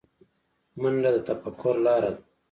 منډه د تفکر لاره ده